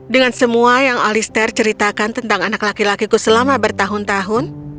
dengan semua yang alister ceritakan tentang anak laki lakiku selama bertahun tahun